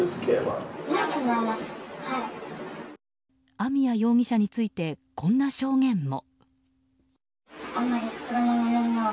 網谷容疑者についてこんな証言も。